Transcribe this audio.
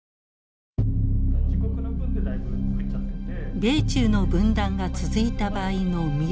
米中の分断が続いた場合の未来